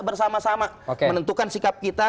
bersama sama menentukan sikap kita